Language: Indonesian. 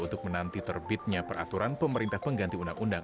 untuk menanti terbitnya peraturan pemerintah pengganti undang undang